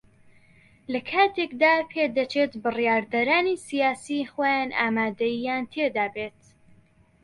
لە کاتێکدا پێدەچێت بڕیاردەرانی سیاسی خۆیان ئامادەیییان تێدا بێت